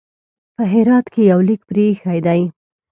په هرات کې یو لیک پرې ایښی دی.